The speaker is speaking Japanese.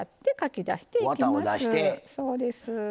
そうです。